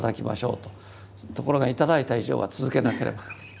ところが頂いた以上は続けなければ。